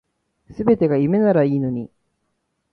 全てが夢ならいいのに